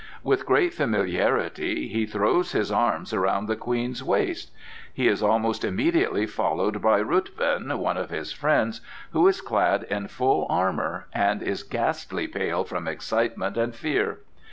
With great familiarity he throws his arm around the Queen's waist. He is almost immediately followed by Ruthven, one of his friends, who is clad in full armor and is ghastly pale from excitement and fear.